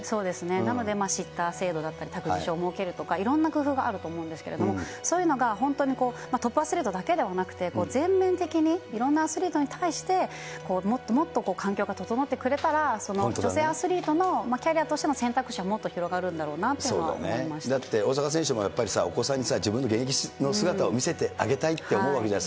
なので、シッター制度だったり、託児所を設けるとか、いろんな工夫があると思うんですけれども、そういうのが本当に、トップアスリートだけではなくて、全面的にいろんなアスリートに対してもっともっと環境が整ってくれたら、女性アスリートのキャリアとしての選択肢はもっと広がるんだろうだって、大坂選手もやっぱり、お子さんに自分の現役の姿を見せてあげたいって思うわけじゃない。